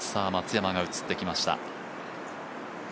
松山が映ってきました。